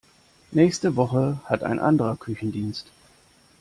Nächste Woche hat ein anderer Küchendienst.